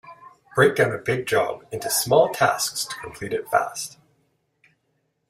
Break down a big job into small tasks to complete it fast.